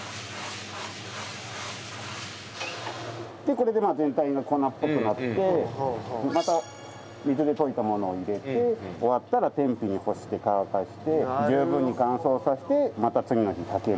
これで全体が粉っぽくなってまた水で溶いたものを入れて終わったら天日に干して乾かして十分に乾燥させてまた次のにかける。